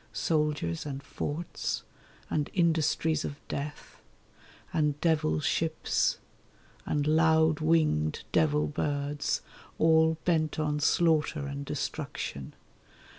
Soldiers and forts, and industries of death, and devil ships, and loud winged devil birds, All bent on slaughter and destruction.